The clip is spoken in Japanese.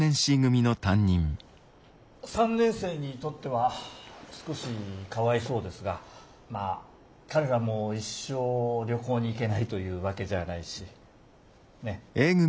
３年生にとっては少しかわいそうですがまあ彼らも一生旅行に行けないというわけじゃないしねっ。